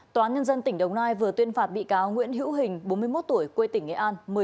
tòa án nhân dân tỉnh đồng nai vừa tuyên phạt bị cáo nguyễn hữu hình bốn mươi một tuổi quê tỉnh nghệ an